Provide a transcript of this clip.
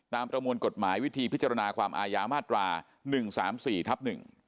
ประมวลกฎหมายวิธีพิจารณาความอายามาตรา๑๓๔ทับ๑